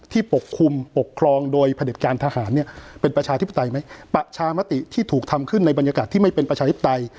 ปกคลุมปกครองโดยผลิตการทหารเนี่ยเป็นประชาธิปไตยไหมประชามติที่ถูกทำขึ้นในบรรยากาศที่ไม่เป็นประชาธิปไตย